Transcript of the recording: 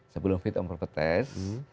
sebelum fitur perpetensi